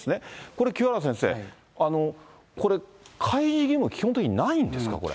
これ、清原先生、これ、開示義務、基本的にないんですか？